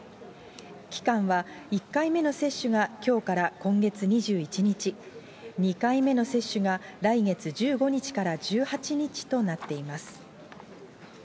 期間は１回目の接種がきょうから今月２１日、２回目の接種が来月１５日から１８日となっています。